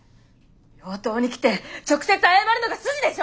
病棟に来て直接謝るのが筋でしょ！